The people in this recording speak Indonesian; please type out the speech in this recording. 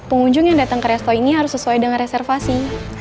pengunjung yang datang ke resto ini harus sesuai dengan reservasi